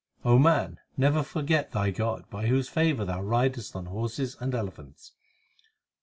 man, never forget thy God By whose favour thou ridest on horses and elephants.